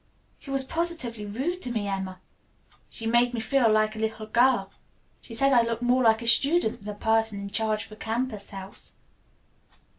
"She was positively rude to me, Emma. She made me feel like a little girl. She said I looked more like a student than a person in charge of a campus house."